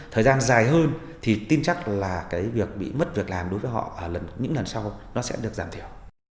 thời gian dài hơn thì tin chắc là cái việc bị mất việc làm đối với họ những lần sau nó sẽ được giảm thiểu